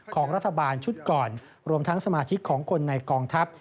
ของรัฐบาลชุดก่อนรวมทั้งสมาชิกของคนในกองทัพ